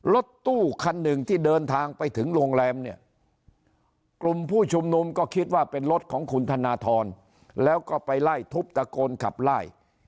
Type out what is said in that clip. รถตู้คันหนึ่งที่เดินทางไปถึงโรงแรมเนี่ยกลุ่มผู้ชุมนุมก็คิดว่าเป็นรถของคุณธนทรแล้วก็ไปไล่ทุบตะโกนขับไล่